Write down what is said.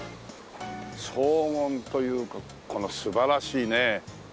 荘厳というかこの素晴らしいね。